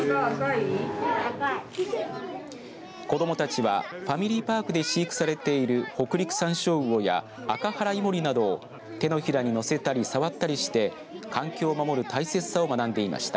子どもたちはファミリーパークで飼育されているホクリクサンショウウオやアカハライモリなどを手のひらにのせたり触ったりして環境を守る大切さを学んでいました。